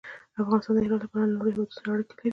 افغانستان د هرات له پلوه له نورو هېوادونو سره اړیکې لري.